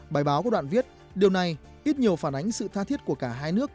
bài báo của đoạn viết điều này ít nhiều phản ánh sự tha thiết của cả hai nước